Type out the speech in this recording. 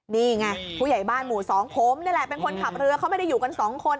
นี่ไงผู้ใหญ่บ้านหมู่๒ผมนี่แหละเป็นคนขับเรือเขาไม่ได้อยู่กันสองคน